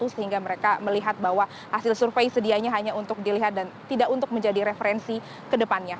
sehingga mereka melihat bahwa hasil survei sedianya hanya untuk dilihat dan tidak untuk menjadi referensi ke depannya